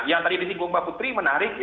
nah yang tadi ditimbul mbak putri menarik ya